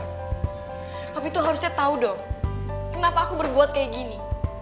tapi tuh harusnya tau dong kenapa aku berbuat kayak gini